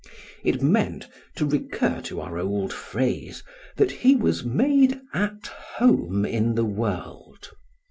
It meant, to recur to our old phrase, that he was made at home in the world.